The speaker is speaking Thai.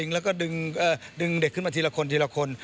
เอ่อแล้วก็ดึงเอ่อดึงเด็กขึ้นมาทีละคนทีละคน